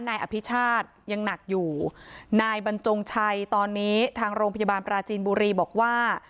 นายอภิชาติยังหนักอยู่นายบรรจงชัยตอนนี้ทางโรงพยาบาลปราจีนบุรีบอกว่า